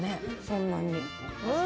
そんなに。